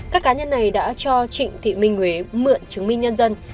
các cá nhân này đã cho trịnh thị minh huế mượn chứng minh nhân dân